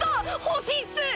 欲しいっす！